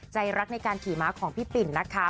ใจรักในการขี่ม้าของพี่ปิ่นนะคะ